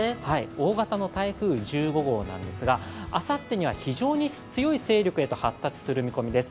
大型の台風１５号なんですが、あさってには非常に強い勢力へと発達する見込みです。